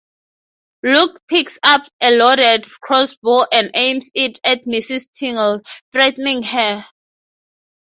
Luke picks up a loaded crossbow and aims it at Mrs. Tingle, threatening her.